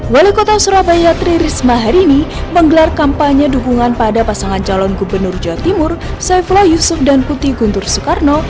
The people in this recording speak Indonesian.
wali kota surabaya tri risma hari ini menggelar kampanye dukungan pada pasangan calon gubernur jawa timur saifullah yusuf dan putih guntur soekarno